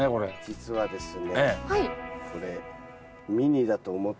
実はですね